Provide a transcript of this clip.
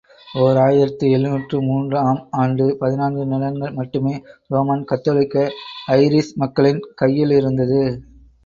ஓர் ஆயிரத்து எழுநூற்று மூன்று ஆம் ஆண்டு பதினான்கு நிலங்கள் மட்டுமே ரோமன் கத்தோலிக்க ஐரிஷ் மக்களின் கையிலிருந்தது.